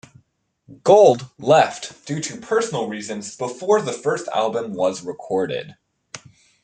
Gold left due to personal reasons before the first album was recorded.